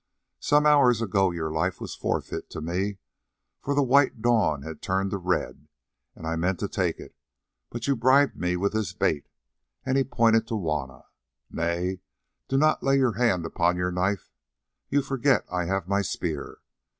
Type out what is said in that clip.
Some hours ago your life was forfeit to me, for the white dawn had turned to red, and I meant to take it, but you bribed me with this bait," and he pointed to Juanna. "Nay, do not lay your hand upon your knife; you forget I have my spear.